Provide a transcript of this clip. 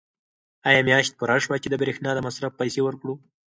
آیا میاشت پوره شوه چې د برېښنا د مصرف پیسې ورکړو؟